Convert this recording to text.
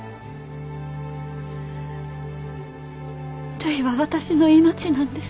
るいは私の命なんです。